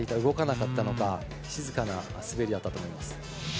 動かなかったのか静かな滑りだったと思います。